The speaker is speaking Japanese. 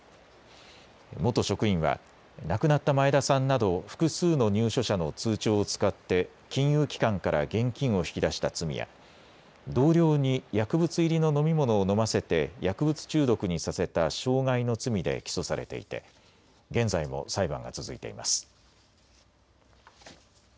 元職員は亡くなった前田さんなど複数の入所者の通帳を使って金融機関から現金を引き出した罪や同僚に薬物入りの飲み物を飲ませて薬物中毒にさせた傷害の罪で起訴されていて現在も裁判が続いています。